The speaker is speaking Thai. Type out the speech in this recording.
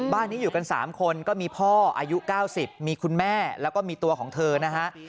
บ้านนี้อยู่กัน๓คนก็มีพ่ออายุ๙๐มีคุณแม่แล้วก็มีตัวของเธอนะฮะ